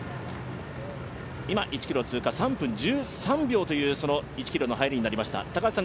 今、１ｋｍ通過、３分１３秒という入りになりました。